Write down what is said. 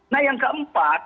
nah yang keempat